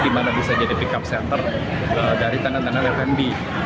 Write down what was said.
di mana bisa jadi pick up center dari tenan tenan fmb